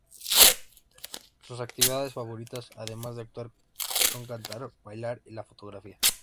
Sus actividades favoritas además de actuar son cantar, bailar y la fotografía.